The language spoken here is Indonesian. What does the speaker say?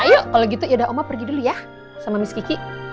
ayo kalau gitu ya udah oma pergi dulu ya sama miss kiki